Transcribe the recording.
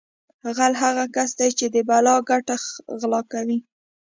غل هغه کس دی چې د بل ګټه غلا کوي